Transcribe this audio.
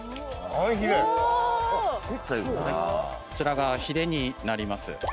こちらがひれになります。